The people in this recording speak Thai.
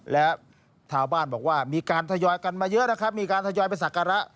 และชาวบ้านบอกว่ามีการทยอยกันมาเยอะนะครับมีการทยอยไปสักการะ